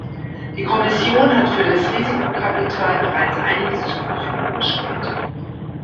Die Kommission hat für das Risikokapital bereits einiges zur Verfügung gestellt.